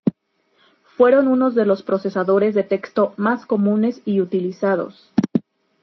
Fueron unos de los procesadores de texto más comunes y utilizados.